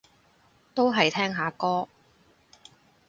都係聽下歌